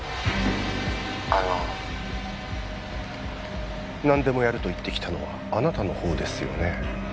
あの何でもやると言ってきたのはあなたの方ですよね？